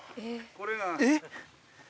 えっ？